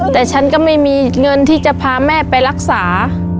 แต่ฉันก็ไม่มีเงินที่จะพาแม่ไปรักษา